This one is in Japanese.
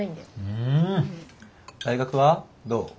うん！大学はどう？